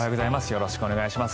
よろしくお願いします。